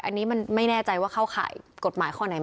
อันนี้มันไม่แน่ใจว่าเข้าข่ายกฎหมายข้อไหน